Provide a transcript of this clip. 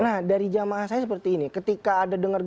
nah dari jamaah saya seperti ini ketika ada dengar